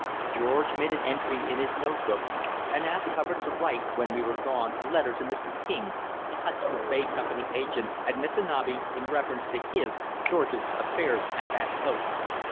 George made an entry in his note book, and asked Hubbard to write when we were gone a letter to Mr. King, the Hudson's Bay Company's agent at Missanabie, in reference to his (George's) affairs at that post.